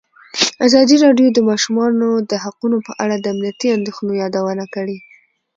ازادي راډیو د د ماشومانو حقونه په اړه د امنیتي اندېښنو یادونه کړې.